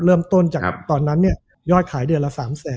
เริ่มต้นจากตอนนั้นยอดขายเดือนละ๓๐๐๐๐๐